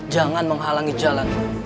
jangan menghalangi jalanku